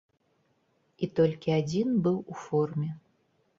І толькі адзін быў у форме.